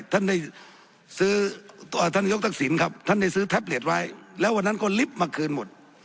ท่านได้ซื้อท่านนายกทักษิณครับท่านได้ซื้อแท็บเล็ตไว้แล้ววันนั้นก็ลิฟต์มาคืนหมด